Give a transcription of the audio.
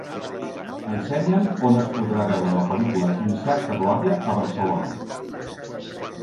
Ensenya'm on es podrà veure la pel·lícula "Incerta glòria" a Barcelona.